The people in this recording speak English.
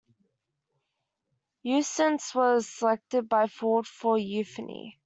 "Eustace" was selected by Ford for euphony.